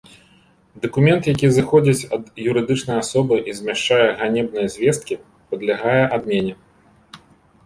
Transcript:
Дакумент, які зыходзіць ад юрыдычнай асобы і змяшчае ганебныя звесткі, падлягае адмене.